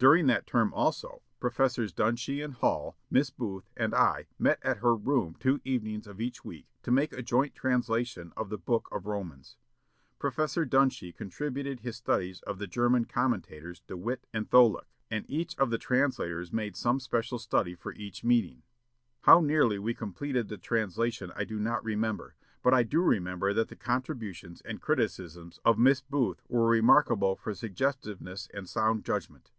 During that term, also, Professors Dunshee and Hull, Miss Booth, and I met at her room two evenings of each week to make a joint translation of the Book of Romans. Professor Dunshee contributed his studies of the German commentators De Wette and Tholuck; and each of the translators made some special study for each meeting. How nearly we completed the translation I do not remember; but I do remember that the contributions and criticisms of Miss Booth were remarkable for suggestiveness and sound judgment.